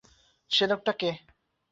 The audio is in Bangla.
সে লোকটা কে।